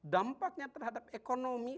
dampaknya terhadap ekonomi